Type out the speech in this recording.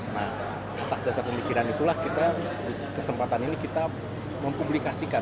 nah atas dasar pemikiran itulah kita kesempatan ini kita mempublikasikan